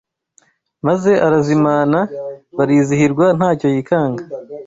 maze arazimana barizihirwa ntacyo yikanga